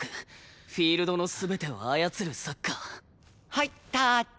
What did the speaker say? はいタッチ！